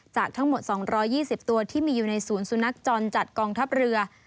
จากทั้งหมด๒๒๐ตัวที่มีอยู่ในศูนย์สุนัขจรจัดกองทัพเรือ